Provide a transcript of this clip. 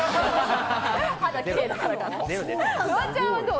フワちゃんはどう？